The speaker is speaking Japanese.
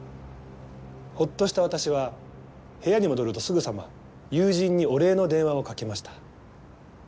ホッとした私は部屋に戻るとすぐさま友人にお礼の電話をかけました。